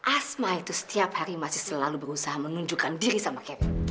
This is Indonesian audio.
asma itu setiap hari masih selalu berusaha menunjukkan diri sama kevin